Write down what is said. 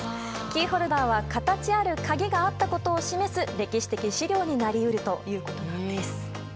キーホルダーは形ある鍵があったことを示す歴史的史料になり得るということなんです。